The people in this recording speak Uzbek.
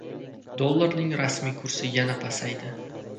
Dollarning rasmiy kursi yana pasaydi